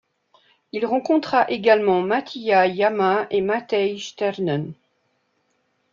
Il rencontra également Matija Jama et Matej Sternen.